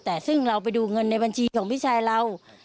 แต่ซึ่งเราไปดูเงินในบัญชีของพี่ชายเรา